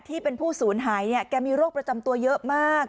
ที่เป็นผู้ศูนย์หายเนี่ยแกมีโรคประจำตัวเยอะมาก